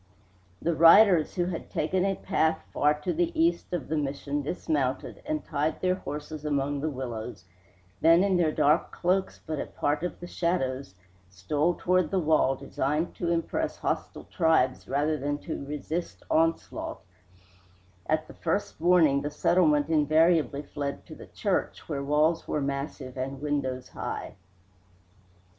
The riders, who had taken a path far to the east of the Mission dismounted and tied their horses among the willows, then, in their dark cloaks but a part of the shadows, stole toward the wall designed to impress hostile tribes rather than to resist onslaught; at the first warning the settlement invariably fled to the church, where walls were massive and windows high.